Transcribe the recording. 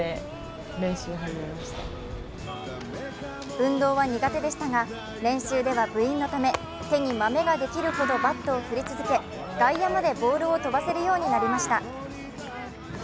運動は苦手でしたが練習では部員のため手にまめができるほどバットを振り続け外野までボーるを飛ばせるようになりました。